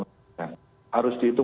dengan belah kanannya